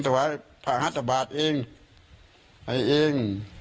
ถวายข้างศบาทเองไอ้เอง